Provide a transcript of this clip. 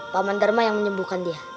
pak mandharma yang menyembuhkan dia